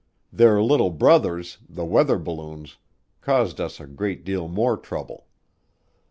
Their little brothers, the weather balloons, caused us a great deal more trouble.